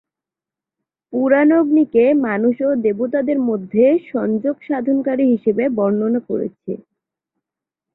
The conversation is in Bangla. পুরাণ অগ্নিকে মানুষ ও দেবতাদের মধ্যে সংযোগ সাধনকারী হিসেবে বর্ণনা করেছে।